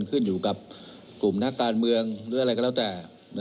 ขึ้นอยู่กับกลุ่มนักการเมืองหรืออะไรก็แล้วแต่